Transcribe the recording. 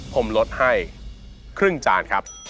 ผมลดให้ครึ่งจานครับ